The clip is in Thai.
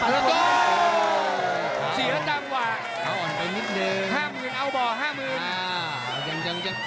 แล้วเปาะไม่มีห้ามิ้น